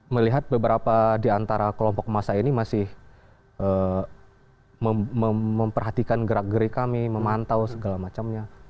melihat beberapa di antara kelompok masa ini masih memperhatikan gerak geri kami memantau segala macamnya